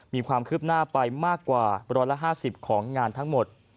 มีความคืบหน้าไปมากกว่า๑๕๐ของงานทั้งหมด